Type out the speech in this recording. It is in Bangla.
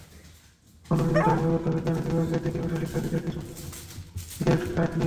গণরুমে থাকা পদার্থবিজ্ঞান বিভাগের দ্বিতীয় বর্ষের শিক্ষার্থী কিসমত জাহানের গেস্ট কার্ড নেই।